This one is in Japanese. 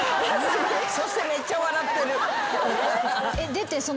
出て。